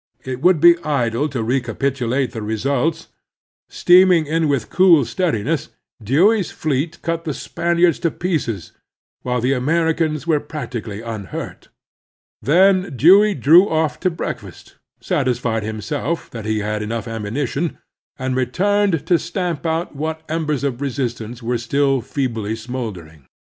It would be idle to recapitulate the results. Steam ing in with cool steadiness, Dewey's fleet cut the Spaniards to pieces, while the Americans were practically unhurt. Then Dewey drew off to breakfast, satisfied himself that he had enough ammimition, and returned to stamp out what embers of resistance were still feebly smoldering.